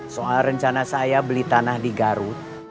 soal rencana saya beli tanah di garut